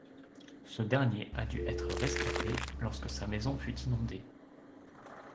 Ce dernier a dû être rescapé lorsque sa maison fut inondée.